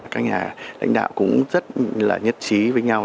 các nhà lãnh đạo cũng rất là nhất trí với nhau